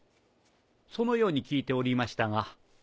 そのように聞いておりましたが。